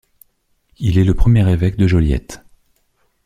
Il est le premier évêque de Joliette.